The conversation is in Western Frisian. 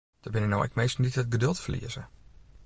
Der binne no ek minsken dy't it geduld ferlieze.